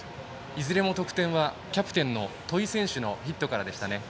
いずれも得点はキャプテンの戸井選手のヒットからでした。